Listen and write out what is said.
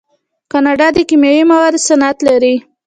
کاناډا د کیمیاوي موادو صنعت لري.